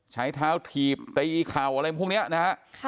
ใช้เท้าถีบตีเข่าอะไรพวกนี้นะฮะ